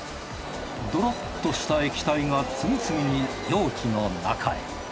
どろっとした液体が次々に容器の中へ。